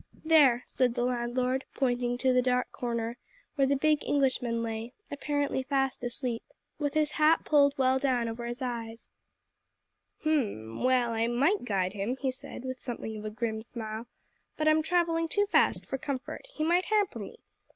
"There," said the landlord, pointing to the dark corner where the big Englishman lay, apparently fast asleep, with his hat pulled well down over his eyes. Buck Tom looked at the sleeping figure for a few moments. "H'm! well, I might guide him," he said, with something of a grim smile, "but I'm travelling too fast for comfort. He might hamper me.